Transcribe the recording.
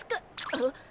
あっ。